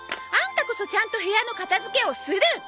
アンタこそちゃんと部屋の片付けをする！